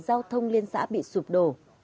giao thông liên xã bị sụp đổ